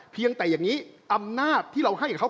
เพียงแต่อย่างนี้อำนาจที่เราให้กับเขา